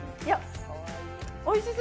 おいしい！